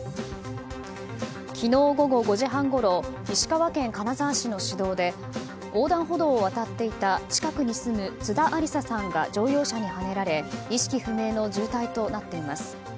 昨日午後５時半ごろ石川県金沢市の市道で横断歩道を渡っていた近くに住む津田有沙さんが乗用車にはねられ意識不明の重体となっています。